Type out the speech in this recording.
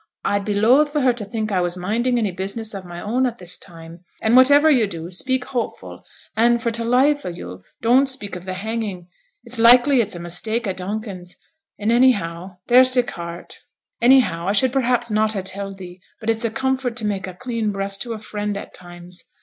I'd be loath for her to think I was minding any business of my own at this time; and, whatever yo' do, speak hopeful, and, for t' life of yo', don't speak of th' hanging, it's likely it's a mistake o' Donkin's; and anyhow there's t' cart anyhow I should perhaps not ha' telled thee, but it's a comfort to make a clean breast to a friend at times.